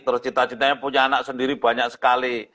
terus cita citanya punya anak sendiri banyak sekali